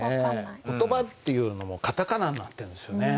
「コトバ」っていうのもカタカナになってるんですよね。